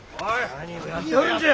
何をやっとるんじゃ。